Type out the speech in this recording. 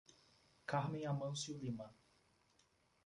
Carmem Amancio Lima